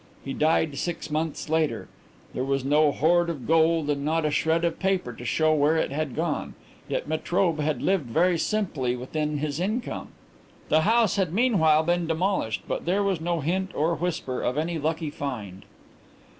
He died six months later. There was no hoard of gold and not a shred of paper to show where it had gone, yet Metrobe lived very simply within his income. The house had meanwhile been demolished but there was no hint or whisper of any lucky find.